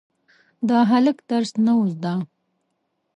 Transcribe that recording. د هلک درس نه و زده.